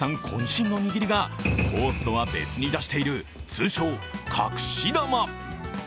こん身の握りがコースとは別に出している通称隠し球。